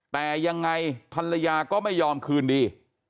แต่ยังไงภรรยาก็ไม่ยอมคืนดี